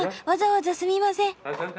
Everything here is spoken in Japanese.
わざわざすみません。